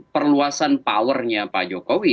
perluasan powernya pak jokowi